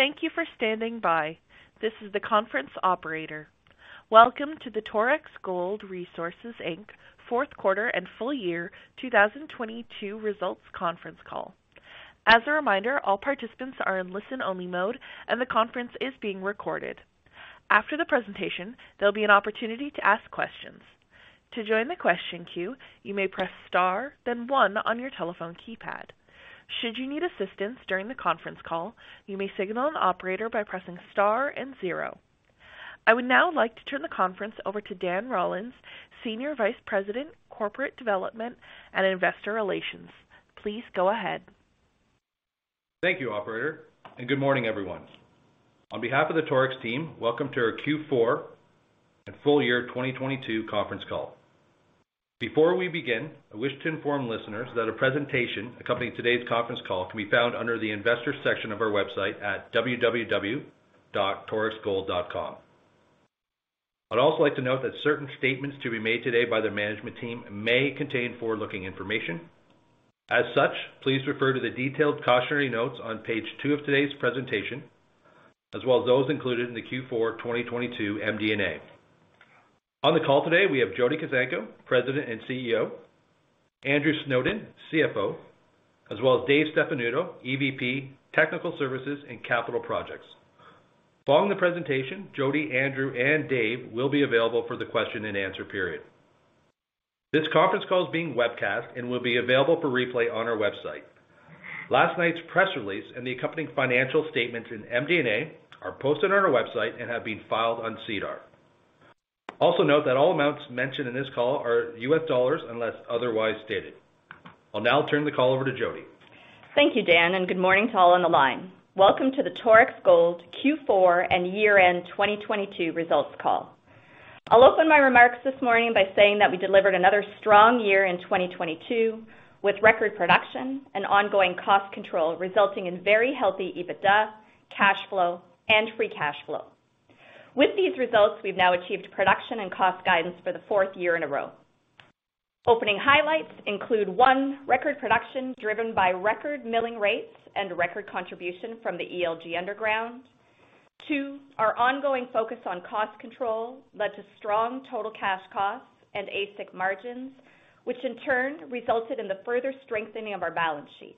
Thank you for standing by. This is the conference operator. Welcome to the Torex Gold Resources Inc. Fourth Quarter and Full Year 2022 Results Conference Call. As a reminder, all participants are in listen-only mode, and the conference is being recorded. After the presentation, there'll be an opportunity to ask questions. To join the question queue, you may press star, then one on your telephone keypad. Should you need assistance during the conference call, you may signal an operator by pressing star and zero. I would now like to turn the conference over to Dan Rollins, Senior Vice President, Corporate Development and Investor Relations. Please go ahead. Thank you, operator. Good morning, everyone. On behalf of the Torex team, welcome to our Q4 and full year 2022 conference call. Before we begin, I wish to inform listeners that a presentation accompanying today's conference call can be found under the investors section of our website at www.torexgold.com. I'd also like to note that certain statements to be made today by the management team may contain forward-looking information. As such, please refer to the detailed cautionary notes on page 2 of today's presentation, as well as those included in the Q4 2022 MD&A. On the call today, we have Jody Kuzenko, President and CEO, Andrew Snowden, CFO, as well as Dave Stefanuto, EVP Technical Services and Capital Projects. Following the presentation, Jody, Andrew, and Dave will be available for the question-and-answer period. This conference call is being webcast and will be available for replay on our website. Last night's press release and the accompanying financial statements in MD&A are posted on our website and have been filed on SEDAR. Note that all amounts mentioned in this call are US dollars unless otherwise stated. I'll now turn the call over to Jody. Thank you, Dan. Good morning to all on the line. Welcome to the Torex Gold Q4 and year-end 2022 results call. I'll open my remarks this morning by saying that we delivered another strong year in 2022, with record production and ongoing cost control resulting in very healthy EBITDA, cash flow, and free cash flow. With these results, we've now achieved production and cost guidance for the fourth year in a row. Opening highlights include, 1, record production driven by record milling rates and record contribution from the ELG underground. 2, our ongoing focus on cost control led to strong total cash costs and AISC margins, which in turn resulted in the further strengthening of our balance sheet.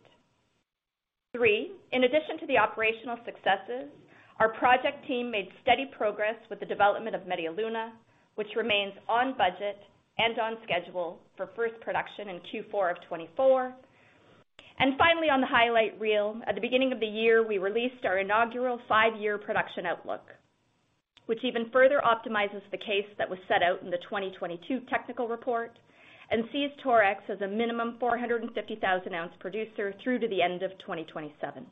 Three, in addition to the operational successes, our project team made steady progress with the development of Media Luna, which remains on budget and on schedule for first production in Q4 of 2024. Finally, on the highlight reel, at the beginning of the year, we released our inaugural five-year production outlook, which even further optimizes the case that was set out in the 2022 technical report and sees Torex as a minimum 450,000 ounce producer through to the end of 2027.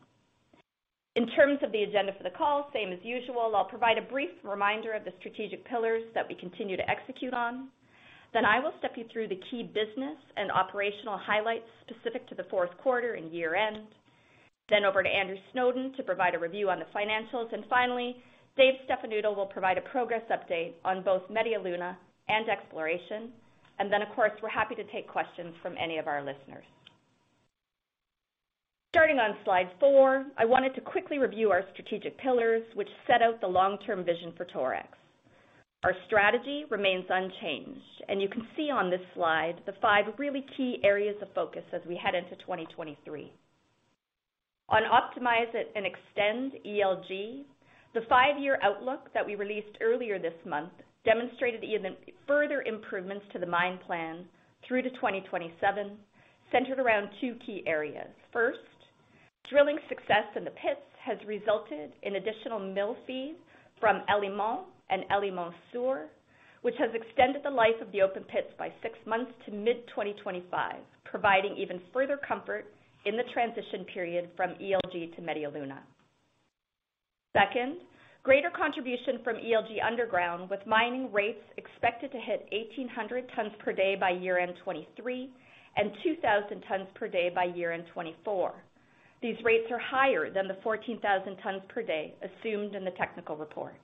In terms of the agenda for the call, same as usual, I'll provide a brief reminder of the strategic pillars that we continue to execute on. I will step you through the key business and operational highlights specific to the fourth quarter and year-end. Over to Andrew Snowden to provide a review on the financials. Finally, Dave Stefanuto will provide a progress update on both Media Luna and exploration. Then, of course, we're happy to take questions from any of our listeners. Starting on slide 4, I wanted to quickly review our strategic pillars, which set out the long-term vision for Torex. Our strategy remains unchanged, and you can see on this slide the 5 really key areas of focus as we head into 2023. On optimize it and extend ELG, the 5-year outlook that we released earlier this month demonstrated even further improvements to the mine plan through to 2027, centered around 2 key areas. First, drilling success in the pits has resulted in additional mill feed from El Limón and El Limón Sur, which has extended the life of the open pits by six months to mid-2025, providing even further comfort in the transition period from ELG to Media Luna. Second, greater contribution from ELG underground, with mining rates expected to hit 1,800 tons per day by year-end 2023 and 2,000 tons per day by year-end 2024. These rates are higher than the 14,000 tons per day assumed in the technical report.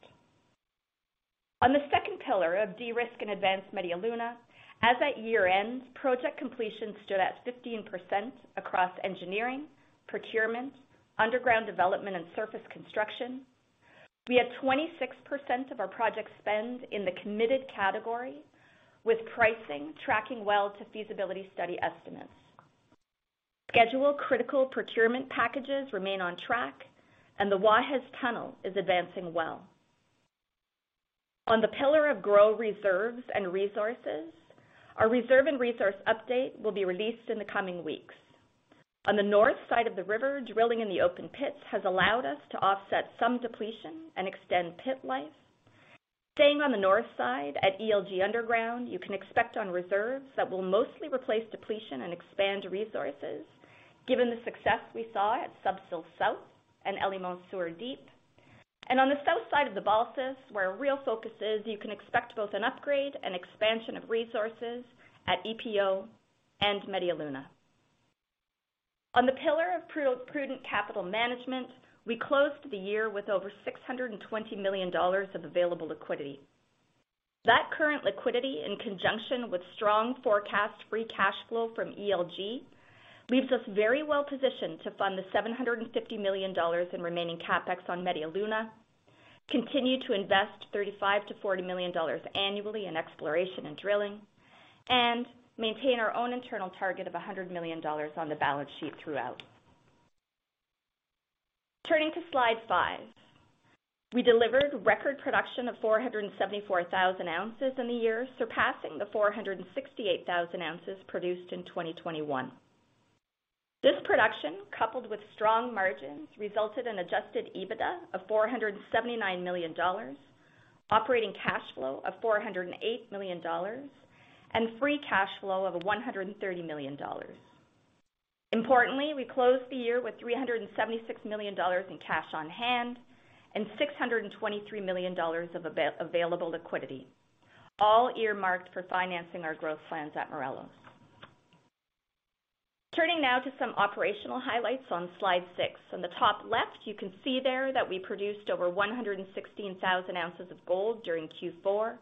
On the second pillar of de-risk and advance Media Luna, as at year-end, project completion stood at 15% across engineering, procurement, underground development, and surface construction. We had 26% of our project spend in the committed category, with pricing tracking well to feasibility study estimates. Schedule-critical procurement packages remain on track, and the Guajes Tunnel is advancing well. On the pillar of grow reserves and resources, our reserve and resource update will be released in the coming weeks. On the north side of the river, drilling in the open pits has allowed us to offset some depletion and extend pit life. Staying on the north side, at ELG underground, you can expect on reserves that will mostly replace depletion and expand resources, given the success we saw at Sub-Sill South and El Limón Sur Deep. On the south side of the Balsas, where our real focus is, you can expect both an upgrade and expansion of resources at EPO and Media Luna. On the pillar of prudent capital management, we closed the year with over $620 million of available liquidity. Current liquidity, in conjunction with strong forecast free cash flow from ELG, leaves us very well positioned to fund the $750 million in remaining CapEx on Media Luna, continue to invest $35 million-$40 million annually in exploration and drilling, and maintain our own internal target of $100 million on the balance sheet throughout. Turning to slide 5. We delivered record production of 474,000 ounces in the year, surpassing the 468,000 ounces produced in 2021. This production, coupled with strong margins, resulted in adjusted EBITDA of $479 million, operating cash flow of $408 million, and free cash flow of $130 million. Importantly, we closed the year with $376 million in cash on hand and $623 million of available liquidity, all earmarked for financing our growth plans at Morelos. Turning now to some operational highlights on slide 6. On the top left, you can see there that we produced over 116,000 ounces of gold during Q4,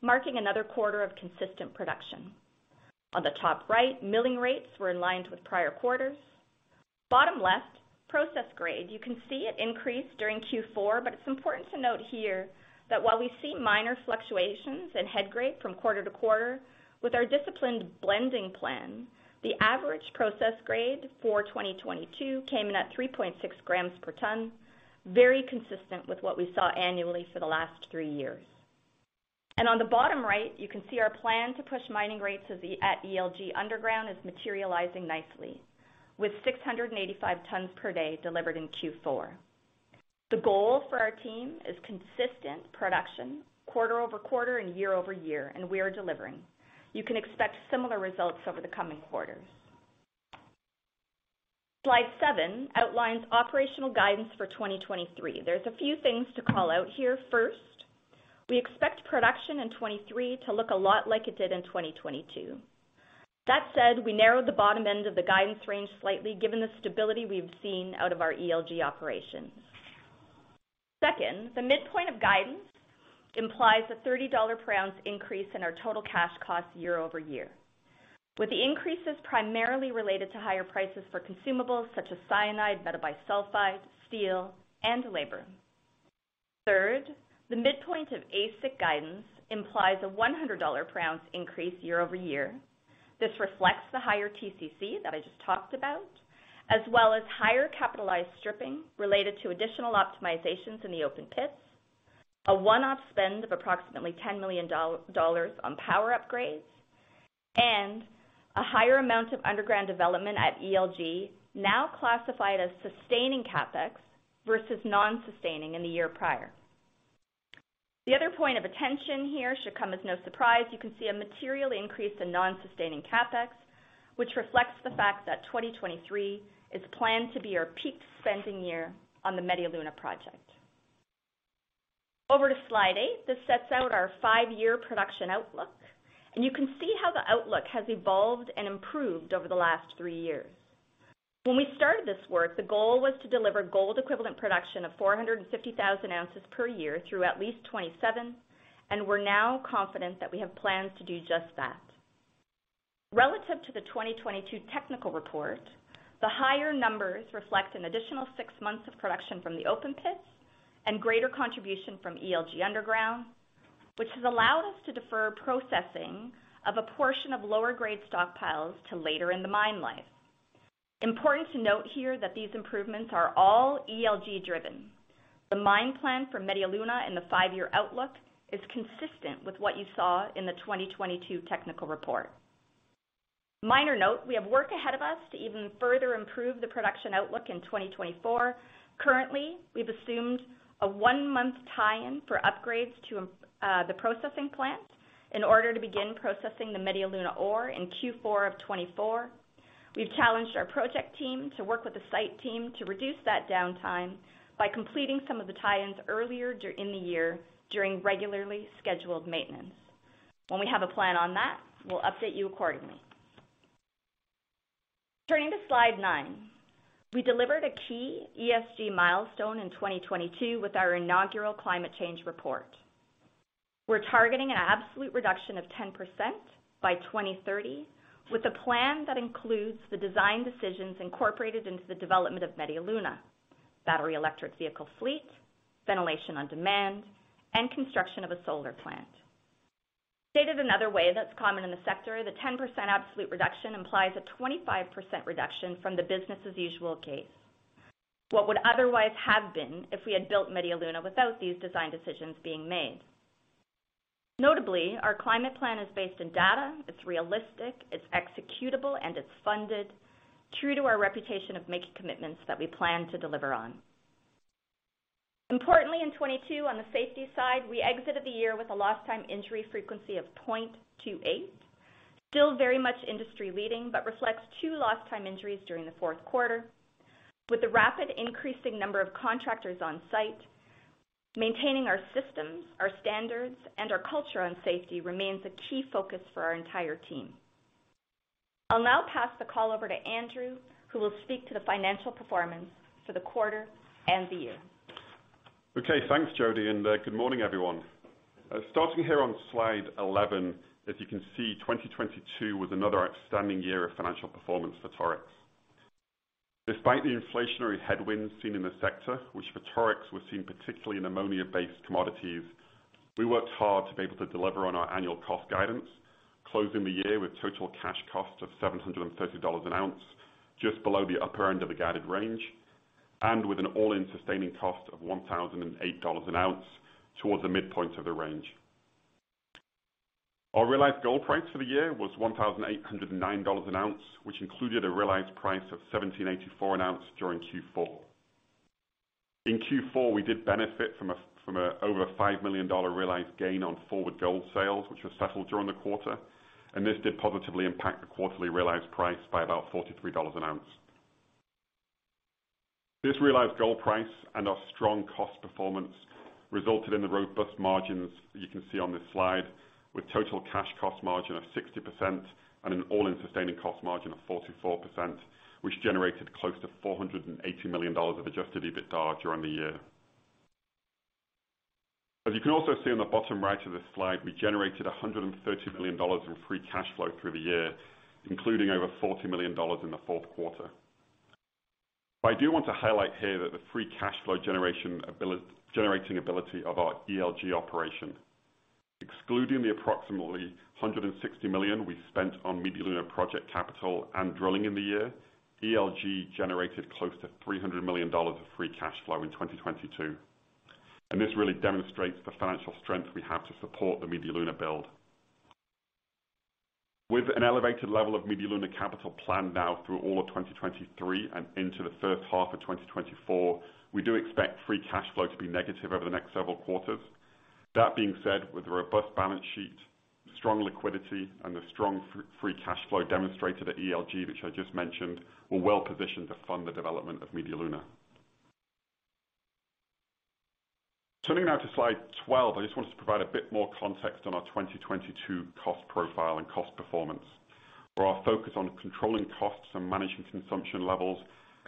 marking another quarter of consistent production. On the top right, milling rates were in line with prior quarters. Bottom left, process grade. You can see it increased during Q4, but it's important to note here that while we see minor fluctuations in head grade from quarter to quarter, with our disciplined blending plan, the average process grade for 2022 came in at 3.6 grams per ton, very consistent with what we saw annually for the last three years. On the bottom right, you can see our plan to push mining rates at the ELG underground is materializing nicely with 685 tons per day delivered in Q4. The goal for our team is consistent production quarter over quarter and year over year, and we are delivering. You can expect similar results over the coming quarters. Slide seven outlines operational guidance for 2023. There's a few things to call out here. We expect production in 2023 to look a lot like it did in 2022. That said, we narrowed the bottom end of the guidance range slightly, given the stability we've seen out of our ELG operations. The midpoint of guidance implies a $30 per ounce increase in our total cash costs year-over-year, with the increases primarily related to higher prices for consumables such as cyanide, metabisulfite, steel, and labor. The midpoint of AISC guidance implies a $100 per ounce increase year-over-year. This reflects the higher TCC that I just talked about, as well as higher capitalized stripping related to additional optimizations in the open pits, a one-off spend of approximately $10 million on power upgrades, and a higher amount of underground development at ELG now classified as sustaining CapEx versus non-sustaining in the year prior. The other point of attention here should come as no surprise. You can see a material increase in non-sustaining CapEx, which reflects the fact that 2023 is planned to be our peak spending year on the Media Luna project. Over to slide 8. This sets out our 5-year production outlook, and you can see how the outlook has evolved and improved over the last three years. When we started this work, the goal was to deliver gold equivalent production of 450,000 ounces per year through at least 2027, and we're now confident that we have plans to do just that. Relative to the 2022 technical report, the higher numbers reflect an additional 6 months of production from the open pits and greater contribution from ELG underground, which has allowed us to defer processing of a portion of lower grade stockpiles to later in the mine life. Important to note here that these improvements are all ELG driven. The mine plan for Media Luna in the 5-year outlook is consistent with what you saw in the 2022 technical report. Minor note: We have work ahead of us to even further improve the production outlook in 2024. Currently, we've assumed a 1-month tie-in for upgrades to the processing plant in order to begin processing the Media Luna ore in Q4 of 2024. We've challenged our project team to work with the site team to reduce that downtime by completing some of the tie-ins earlier in the year during regularly scheduled maintenance. When we have a plan on that, we'll update you accordingly. Turning to slide 9. We delivered a key ESG milestone in 2022 with our inaugural climate change report. We're targeting an absolute reduction of 10% by 2030, with a plan that includes the design decisions incorporated into the development of Media Luna, battery electric vehicle fleet, Ventilation on Demand, and construction of a solar plant. Stated another way that's common in the sector, the 10% absolute reduction implies a 25% reduction from the business as usual case. What would otherwise have been if we had built Media Luna without these design decisions being made. Notably, our climate plan is based on data, it's realistic, it's executable, and it's funded, true to our reputation of making commitments that we plan to deliver on. Importantly, in 2022, on the safety side, we exited the year with a lost time injury frequency of 0.28. Still very much industry-leading, but reflects 2 lost time injuries during the fourth quarter. With the rapid increasing number of contractors on site, maintaining our systems, our standards, and our culture on safety remains a key focus for our entire team. I'll now pass the call over to Andrew, who will speak to the financial performance for the quarter and the year. Okay. Thanks, Jody. Good morning, everyone. Starting here on slide 11, as you can see, 2022 was another outstanding year of financial performance for Torex. Despite the inflationary headwinds seen in the sector, which for Torex were seen particularly in ammonia-based commodities, we worked hard to be able to deliver on our annual cost guidance, closing the year with total cash cost of $730 an ounce, just below the upper end of the guided range, and with an all-in sustaining cost of $1,008 an ounce towards the midpoint of the range. Our realized gold price for the year was $1,809 an ounce, which included a realized price of $1,784 an ounce during Q4. In Q4, we did benefit from over a $5 million realized gain on forward gold sales, which were settled during the quarter. This did positively impact the quarterly realized price by about $43 an ounce. This realized gold price and our strong cost performance resulted in the robust margins you can see on this slide, with total cash cost margin of 60% and an all-in sustaining cost margin of 44%, which generated close to $480 million of adjusted EBITDA during the year. You can also see on the bottom right of this slide, we generated $130 million in free cash flow through the year, including over $40 million in the fourth quarter. I do want to highlight here that the free cash flow generating ability of our ELG operation. Excluding the approximately $160 million we spent on Media Luna project capital and drilling in the year, ELG generated close to $300 million of free cash flow in 2022. This really demonstrates the financial strength we have to support the Media Luna build. With an elevated level of Media Luna capital planned now through all of 2023 and into the first half of 2024, we do expect free cash flow to be negative over the next several quarters. That being said, with a robust balance sheet, strong liquidity, and the strong free cash flow demonstrated at ELG, which I just mentioned, we're well-positioned to fund the development of Media Luna. Turning now to slide 12, I just wanted to provide a bit more context on our 2022 cost profile and cost performance, where our focus on controlling costs and managing consumption levels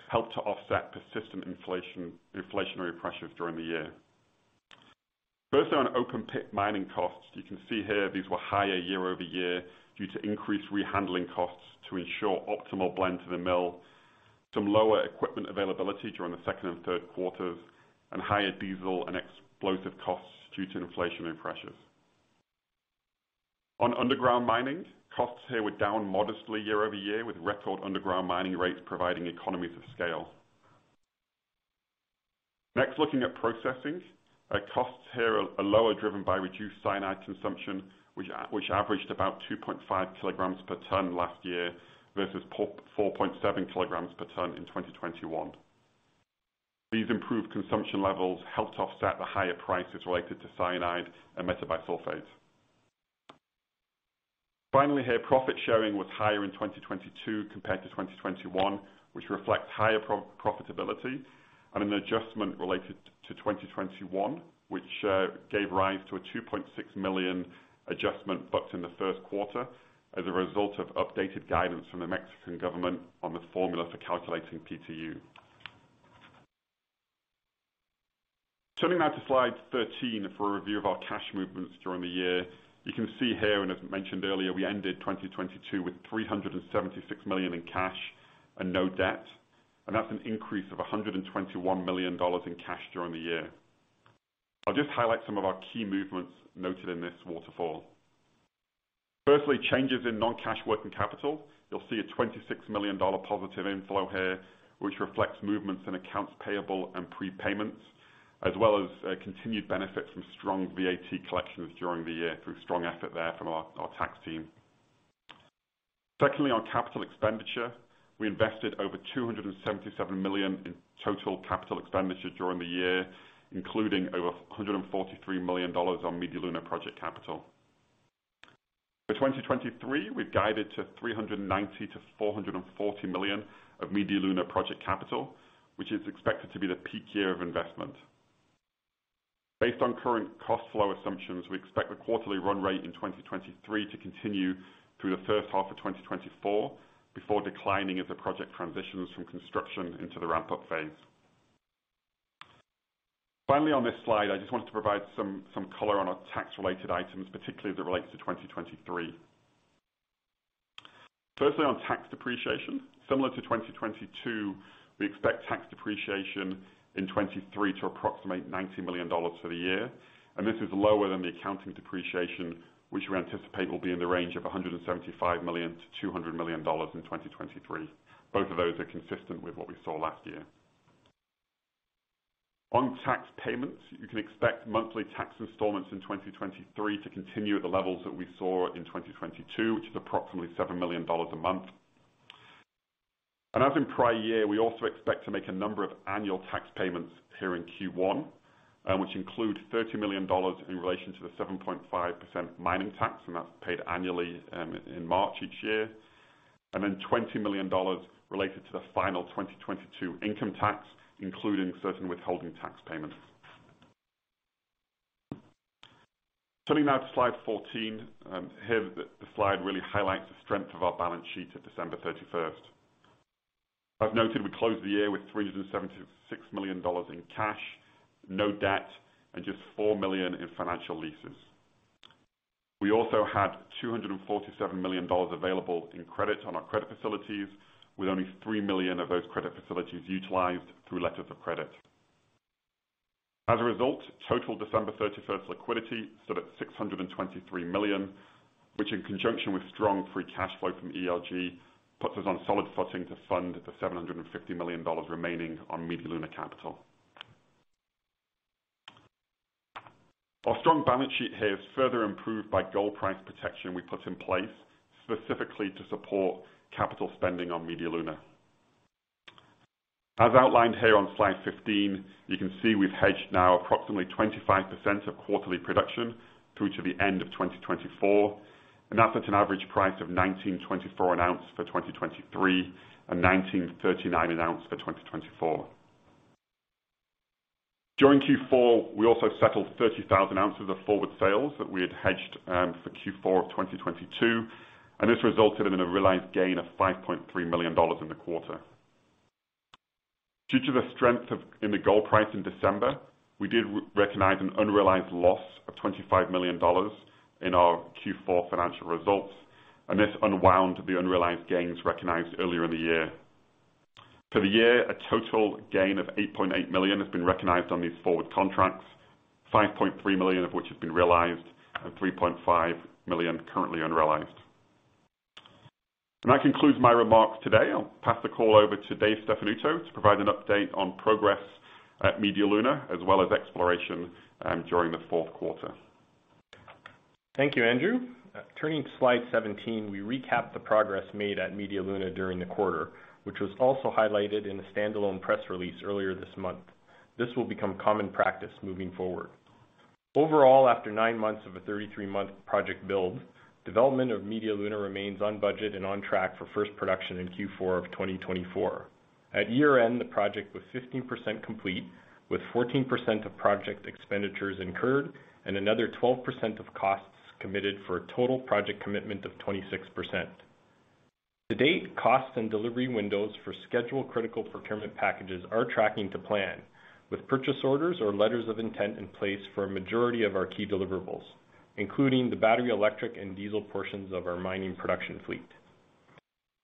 helped to offset persistent inflationary pressures during the year. First on open pit mining costs. You can see here these were higher year-over-year due to increased rehandling costs to ensure optimal blend to the mill, some lower equipment availability during the second and third quarters, and higher diesel and explosive costs due to inflationary pressures. On underground mining, costs here were down modestly year-over-year, with record underground mining rates providing economies of scale. Next, looking at processing. Costs here are lower, driven by reduced cyanide consumption, which averaged about 2.5 kilograms per ton last year versus 4.7 kilograms per ton in 2021. These improved consumption levels helped offset the higher prices related to cyanide and metabisulfite. Profit sharing was higher in 2022 compared to 2021, which reflects higher profitability and an adjustment related to 2021, which gave rise to a $2.6 million adjustment booked in the first quarter as a result of updated guidance from the Mexican government on the formula for calculating PTU. To slide 13 for a review of our cash movements during the year. You can see here, and as mentioned earlier, we ended 2022 with $376 million in cash and no debt, and that's an increase of $121 million in cash during the year. I'll just highlight some of our key movements noted in this waterfall. Changes in non-cash working capital. You'll see a $26 million positive inflow here, which reflects movements in accounts payable and prepayments, as well as continued benefit from strong VAT collections during the year through strong effort there from our tax team. Secondly, on capital expenditure, we invested over $277 million in total capital expenditure during the year, including over $143 million on Media Luna project capital. For 2023, we've guided to $390 million-$440 million of Media Luna project capital, which is expected to be the peak year of investment. Based on current cost flow assumptions, we expect the quarterly run rate in 2023 to continue through the first half of 2024, before declining as the project transitions from construction into the ramp-up phase. Finally, on this slide, I just wanted to provide some color on our tax-related items, particularly as it relates to 2023. Firstly, on tax depreciation. Similar to 2022, we expect tax depreciation in 2023 to approximate $90 million for the year, and this is lower than the accounting depreciation, which we anticipate will be in the range of $175 million-$200 million in 2023. Both of those are consistent with what we saw last year. On tax payments, you can expect monthly tax installments in 2023 to continue at the levels that we saw in 2022, which is approximately $7 million a month. As in prior year, we also expect to make a number of annual tax payments here in Q1, which include $30 million in relation to the 7.5% mining tax, and that's paid annually in March each year. Then $20 million related to the final 2022 income tax, including certain withholding tax payments. Turning now to slide 14. Here the slide really highlights the strength of our balance sheet at December 31st. I've noted we closed the year with $376 million in cash, no debt, and just $4 million in financial leases. We also had $247 million available in credit on our credit facilities, with only $3 million of those credit facilities utilized through letters of credit. As a result, total December 31st liquidity stood at $623 million, which in conjunction with strong free cash flow from ELG, puts us on solid footing to fund the $750 million remaining on Media Luna capital. Our strong balance sheet here is further improved by gold price protection we put in place, specifically to support capital spending on Media Luna. As outlined here on slide 15, you can see we've hedged now approximately 25% of quarterly production through to the end of 2024, and that's at an average price of $1,924 an ounce for 2023, and $1,939 an ounce for 2024. During Q4, we also settled 30,000 ounces of forward sales that we had hedged for Q4 of 2022, and this resulted in a realized gain of $5.3 million in the quarter. Due to the strength in the gold price in December, we did recognize an unrealized loss of $25 million in our Q4 financial results, and this unwound the unrealized gains recognized earlier in the year. For the year, a total gain of $8.8 million has been recognized on these forward contracts, $5.3 million of which has been realized and $3.5 million currently unrealized. That concludes my remarks today. I'll pass the call over to Dave Stefanuto to provide an update on progress at Media Luna as well as exploration during the fourth quarter. Thank you, Andrew. Turning to slide 17, we recap the progress made at Media Luna during the quarter, which was also highlighted in a standalone press release earlier this month. This will become common practice moving forward. Overall, after 9 months of a 33-month project build, development of Media Luna remains on budget and on track for first production in Q4 of 2024. At year-end, the project was 15% complete with 14% of project expenditures incurred and another 12% of costs committed for a total project commitment of 26%. To date, costs and delivery windows for schedule critical procurement packages are tracking to plan, with purchase orders or letters of intent in place for a majority of our key deliverables, including the battery, electric, and diesel portions of our mining production fleet.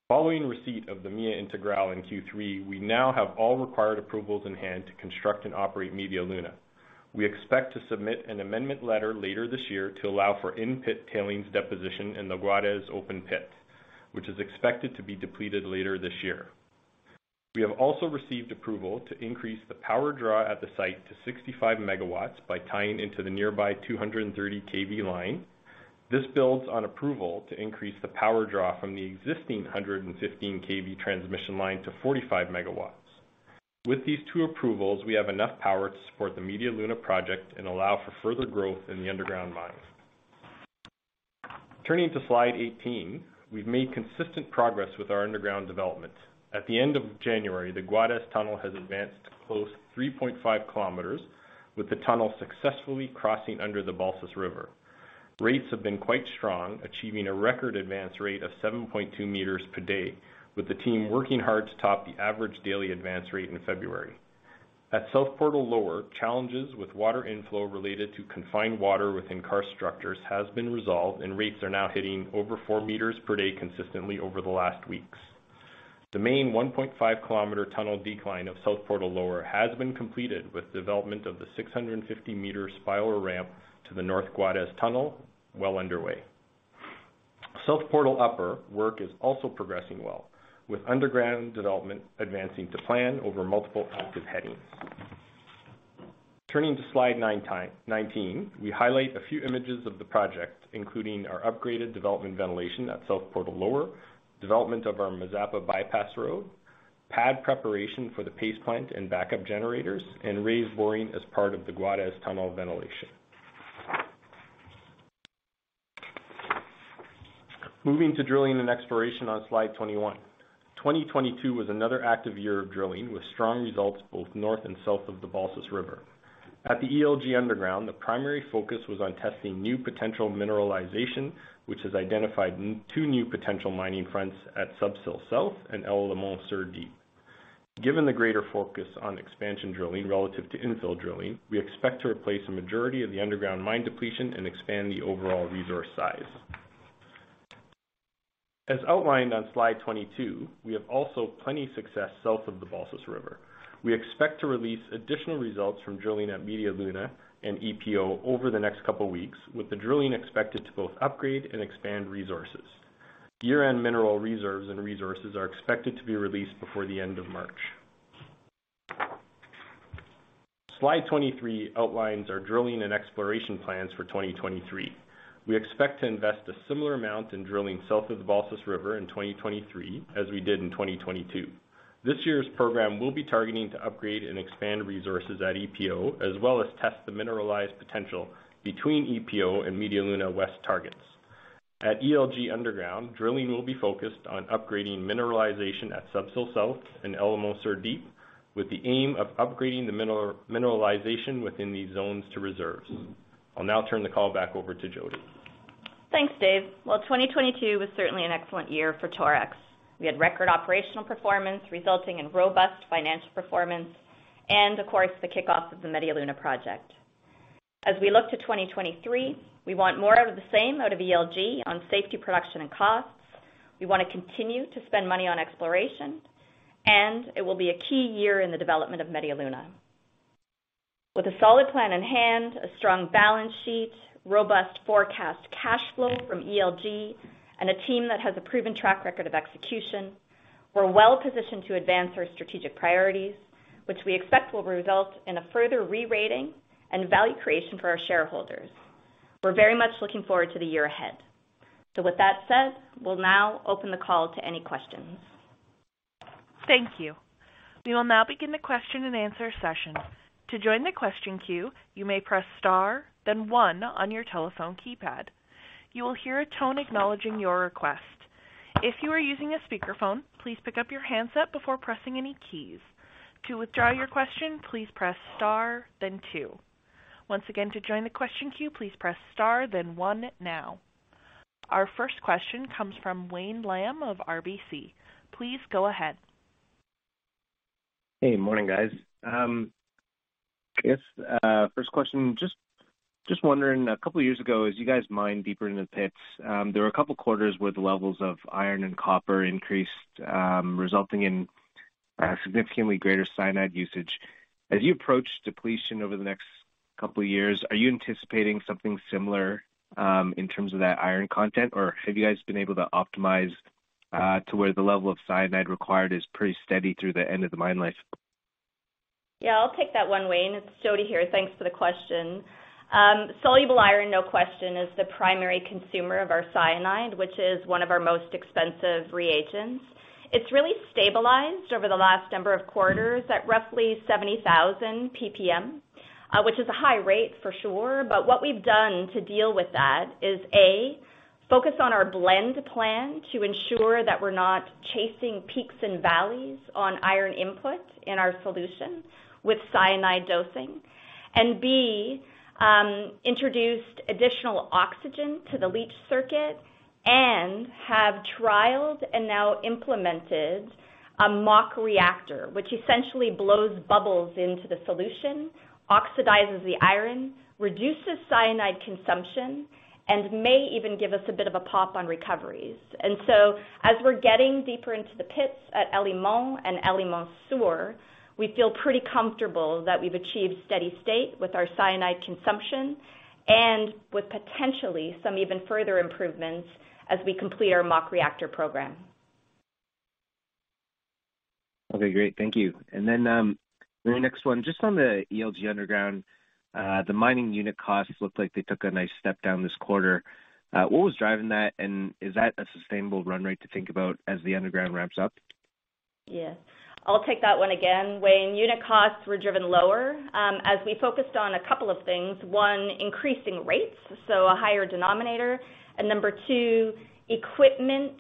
Following receipt of the MIA Integral in Q3, we now have all required approvals in hand to construct and operate Media Luna. We expect to submit an amendment letter later this year to allow for in-pit tailings deposition in the Guajes open pit, which is expected to be depleted later this year. We have also received approval to increase the power draw at the site to 65 MW by tying into the nearby 230 KV line. This builds on approval to increase the power draw from the existing 115 KV transmission line to 45 MW. With these two approvals, we have enough power to support the Media Luna project and allow for further growth in the underground mine. Turning to slide 18. We've made consistent progress with our underground development. At the end of January, the Guajes tunnel has advanced close to 3.5 km, with the tunnel successfully crossing under the Balsas River. Rates have been quite strong, achieving a record advance rate of 7.2 m per day, with the team working hard to top the average daily advance rate in February. At South Portal Lower, challenges with water inflow related to confined water within karst structures has been resolved, and rates are now hitting over 4 m per day consistently over the last weeks. The main 1.5 km tunnel decline of South Portal Lower has been completed with development of the 650 m spiral ramp to the North Guajes tunnel, well underway. South Portal Upper work is also progressing well, with underground development advancing to plan over multiple active headings. Turning to slide 19, we highlight a few images of the project, including our upgraded development ventilation at South Portal Lower, development of our Mazapa bypass road, pad preparation for the paste plant and backup generators, and raise boring as part of the Guajes tunnel ventilation. Moving to drilling and exploration on slide 21. 2022 was another active year of drilling, with strong results both north and south of the Balsas River. At the ELG underground, the primary focus was on testing new potential mineralization, which has identified 2 new potential mining fronts at Sub-Sill South and El Limón Sur Deep. Given the greater focus on expansion drilling relative to infill drilling, we expect to replace a majority of the underground mine depletion and expand the overall resource size. As outlined on slide 22, we have also had plenty of success south of the Balsas River. We expect to release additional results from drilling at Media Luna and EPO over the next couple weeks, with the drilling expected to both upgrade and expand resources. Year-end mineral reserves and resources are expected to be released before the end of March. Slide 23 outlines our drilling and exploration plans for 2023. We expect to invest a similar amount in drilling south of the Balsas River in 2023 as we did in 2022. This year's program will be targeting to upgrade and expand resources at EPO, as well as test the mineralized potential between EPO and Media Luna West targets. At ELG underground, drilling will be focused on upgrading mineralization at Sub-Sill South and El Limón Sur Deep, with the aim of upgrading the mineralization within these zones to reserves. I'll now turn the call back over to Jody. Thanks, Dave. Well, 2022 was certainly an excellent year for Torex. We had record operational performance resulting in robust financial performance and of course, the kickoff of the Media Luna project. As we look to 2023, we want more of the same out of ELG on safety, production, and costs. We wanna continue to spend money on exploration, and it will be a key year in the development of Media Luna. With a solid plan in hand, a strong balance sheet, robust forecast cash flow from ELG, and a team that has a proven track record of execution, we're well-positioned to advance our strategic priorities, which we expect will result in a further re-rating and value creation for our shareholders. We're very much looking forward to the year ahead. With that said, we'll now open the call to any questions. Thank you. We will now begin the question and answer session. To join the question queue, you may press star then 1 on your telephone keypad. You will hear a tone acknowledging your request. If you are using a speakerphone, please pick up your handset before pressing any keys. To withdraw your question, please press star then 2. Once again, to join the question queue, please press star then 1 now. Our first question comes from Wayne Lam of RBC. Please go ahead. Hey. Morning, guys. I guess, first question. Just wondering, a couple years ago, as you guys mined deeper into the pits, there were a couple quarters where the levels of iron and copper increased, resulting in significantly greater cyanide usage. As you approach depletion over the next couple years, are you anticipating something similar in terms of that iron content, or have you guys been able to optimize to where the level of cyanide required is pretty steady through the end of the mine life? Yeah, I'll take that one, Wayne. It's Jody here. Thanks for the question. Soluble iron, no question, is the primary consumer of our cyanide, which is one of our most expensive reagents. It's really stabilized over the last number of quarters at roughly 70,000 PPM, which is a high rate for sure, but what we've done to deal with that is, A, focus on our blend plan to ensure that we're not chasing peaks and valleys on iron input in our solution with cyanide dosing, and B, introduced additional oxygen to the leach circuit and have trialed and now implemented a mock reactor, which essentially blows bubbles into the solution, oxidizes the iron, reduces cyanide consumption, and may even give us a bit of a pop on recoveries. As we're getting deeper into the pits at El Limón and El Limón Sur, we feel pretty comfortable that we've achieved steady state with our cyanide consumption and with potentially some even further improvements as we complete our mock reactor program. Okay, great. Thank you. My next one, just on the ELG underground, the mining unit costs looked like they took a nice step down this quarter. What was driving that, and is that a sustainable run rate to think about as the underground ramps up? Yeah. I'll take that one again, Wayne. Unit costs were driven lower as we focused on a couple of things. One, increasing rates, so a higher denominator, and number two, equipment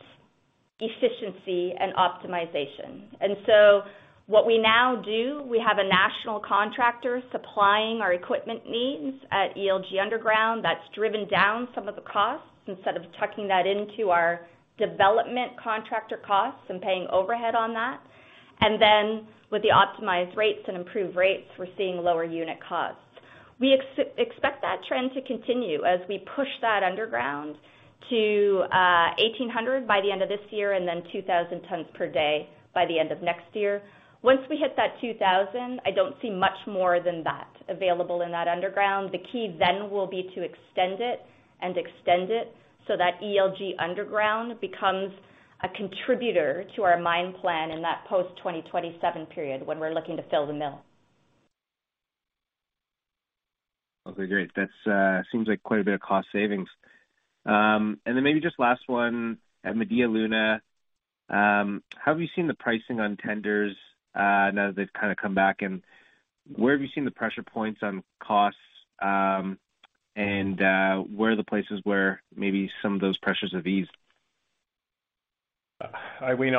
efficiency and optimization. What we now do, we have a national contractor supplying our equipment needs at ELG Underground. That's driven down some of the costs instead of tucking that into our development contractor costs and paying overhead on that. With the optimized rates and improved rates, we're seeing lower unit costs. We expect that trend to continue as we push that underground to 1,800 by the end of this year and then 2,000 tons per day by the end of next year. Once we hit that 2,000, I don't see much more than that available in that underground. The key will be to extend it and extend it so that ELG Underground becomes a contributor to our mine plan in that post-2027 period when we're looking to fill the mill. Okay, great. That seems like quite a bit of cost savings. Maybe just last one. At Media Luna, have you seen the pricing on tenders, now that they've kinda come back, and where have you seen the pressure points on costs, and where are the places where maybe some of those pressures have eased? Hi, Wayne.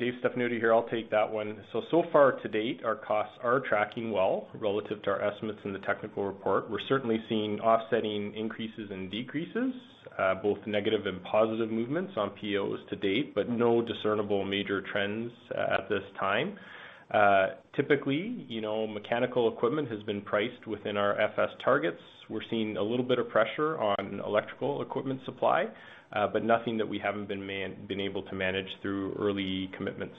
Dave Stefanuto here. I'll take that one. So far to date, our costs are tracking well relative to our estimates in the technical report. We're certainly seeing offsetting increases and decreases, both negative and positive movements on POs to date, but no discernible major trends at this time. You know, mechanical equipment has been priced within our FS targets. We're seeing a little bit of pressure on electrical equipment supply, but nothing that we haven't been able to manage through early commitments.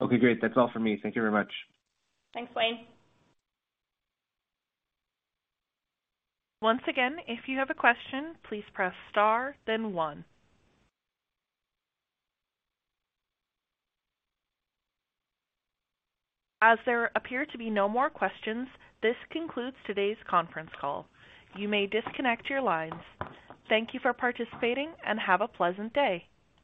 Okay, great. That's all for me. Thank you very much. Thanks, Wayne. Once again, if you have a question, please press star then one. As there appear to be no more questions, this concludes today's conference call. You may disconnect your lines. Thank you for participating, and have a pleasant day.